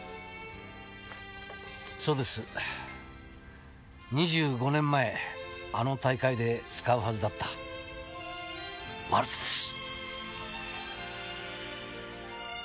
そうです２５年前あの大会で使うはずだったワルツです。